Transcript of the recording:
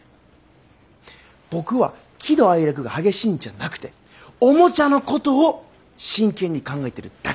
僕は喜怒哀楽が激しいんじゃなくておもちゃのことを真剣に考えてるだけだ。